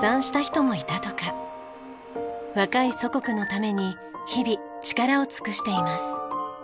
若い祖国のために日々力を尽くしています。